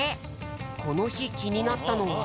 このひきになったのは。